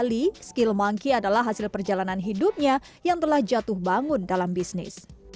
bali skill monkey adalah hasil perjalanan hidupnya yang telah jatuh bangun dalam bisnis